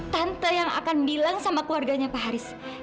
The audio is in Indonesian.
tante yang akan bilang sama keluarganya pak haris